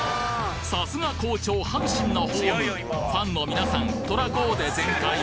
さすが好調阪神のホームファンの皆さん虎コーデ全開！